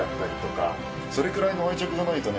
それくらいの愛着がないとね